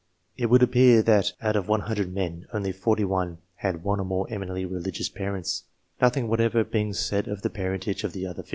It would appear that, out of 100 men, only 41 had one or more eminently religious parents, nothing whatever being said of the parentage of the other 59.